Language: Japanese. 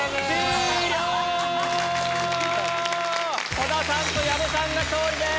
戸田さんと矢部さんが勝利です。